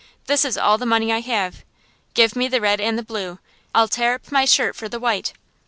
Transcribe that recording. This is all the money I have. Give me the red and the blue; I'll tear up my shirt for the white."